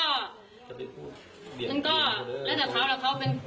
มันก็แล้วแต่เขาแล้วเขาเป็น